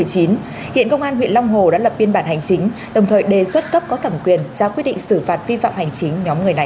hiện công an huyện long hồ đã lập biên bản hành chính đồng thời đề xuất cấp có thẩm quyền ra quyết định xử phạt vi phạm hành chính nhóm người này